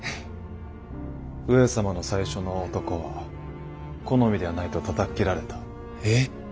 上様の最初の男は好みではないとたたっ斬られた。え！